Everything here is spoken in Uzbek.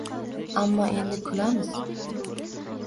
Ammo endi kulamiz!